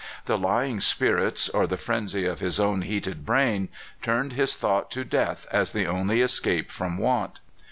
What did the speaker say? The lying spirits, or the frenzy of his own heated brain, turned his thought to death as the only escape from want.